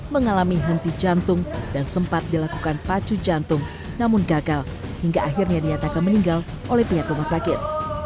mengalami henti jantung dan sempat dilakukan pacu jantung namun gagal hingga akhirnya diatakan meninggal oleh pihak rumah sakit